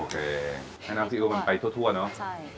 ให้น้ำซีโอมันไปทั่วเนอะ